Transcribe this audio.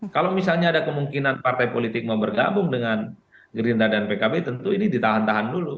kalau misalnya ada kemungkinan partai politik mau bergabung dengan gerindra dan pkb tentu ini ditahan tahan dulu